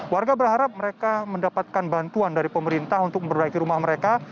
warga berharap mereka mendapatkan bantuan dari pemerintah untuk memperbaiki rumah mereka